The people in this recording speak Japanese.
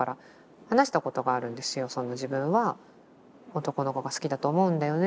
「自分は男の子が好きだと思うんだよね」